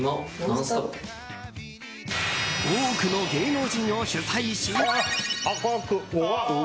多くの芸能人を取材し。